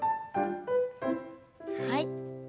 はい。